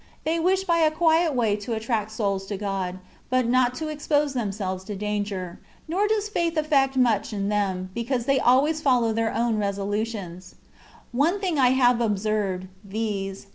They wish by a quiet way to attract souls to God, but not to expose themselves to danger; nor does faith effect much in them, because they always follow their own resolutions. One thing I have observed, viz.